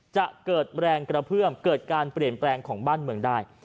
จะเกิดแรงกระเพื่อมเกิดการเปลี่ยนแปลงของบ้านเมืองได้